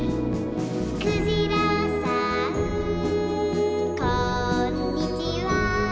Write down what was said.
「くじらさんこんにちは！」